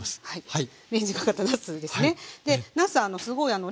はい。